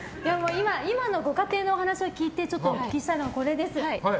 今のご家庭のお話を聞いてちょっとお聞きしたいのがこれです。